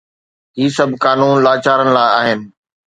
هي سڀ قانون لاچارن لاءِ آهن.